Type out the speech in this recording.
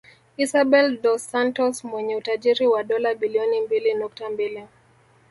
Isabel dos Santos mwenye utajiri wa dola bilioni mbili nukta mbili